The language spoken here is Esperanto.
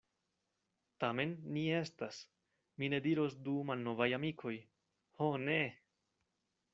Tamen ni estas, mi ne diros du malnovaj amikoj, ho ne!